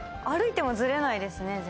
歩いてもずれないですね